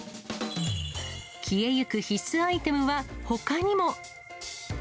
消えゆく必須アイテムはほかにも。